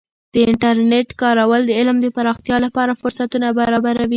د انټرنیټ کارول د علم د پراختیا لپاره فرصتونه برابروي.